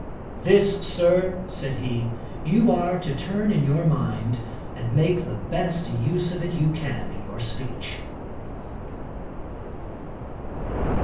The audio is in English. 'This, Sir, (said he,) you are to turn in your mind, and make the best use of it you can in your speech.'